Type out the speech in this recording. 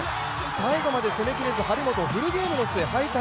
最後まで攻めきれず、張本、フルゲームの末、敗退。